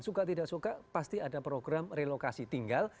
suka tidak suka pasti ada program relokasi tinggal